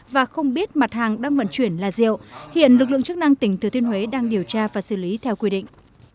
và không biết mặt hàng đang vận chuyển là rượu hiện lực lượng chức năng tỉnh thừa thiên huế đang điều tra và xử lý theo quy định